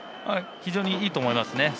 非常にいいと思います。